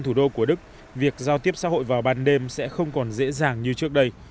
thủ đô của đức việc giao tiếp xã hội vào ban đêm sẽ không còn dễ dàng như trước đây